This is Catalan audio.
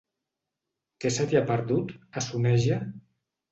Què se t'hi ha perdut, a Soneja?